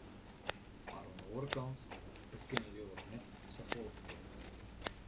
Mar oan de oare kant, it kin leau ik ek net safolle kwea.